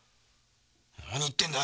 何言ってんだ